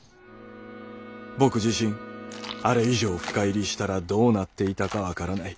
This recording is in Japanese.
僕自身あれ以上深入りしたらどうなっていたか分からない。